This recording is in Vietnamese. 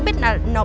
bây giờ cậu làm gì